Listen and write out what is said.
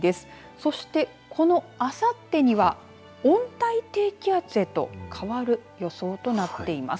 そして、このあさってには温帯低気圧へと変わる予想となっています。